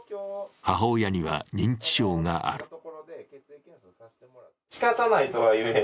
母親には認知症がある。